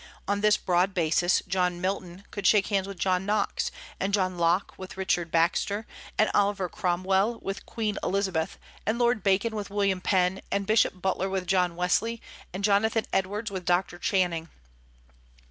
On this broad basis John Milton could shake hands with John Knox, and John Locke with Richard Baxter, and Oliver Cromwell with Queen Elizabeth, and Lord Bacon with William Penn, and Bishop Butler with John Wesley, and Jonathan Edwards with Doctor Channing.